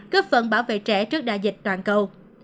cấp phận bảo vệ trẻ trước đại dịch toàn cầu